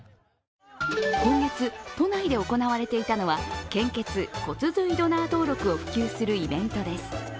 今月、都内で行われていたのは献血・骨髄ドナー登録を普及するイベントです。